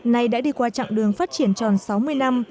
nay đã đi qua chặng đường phát triển tròn sáu mươi năm